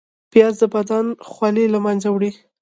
پیاز د بدن خولې له منځه وړي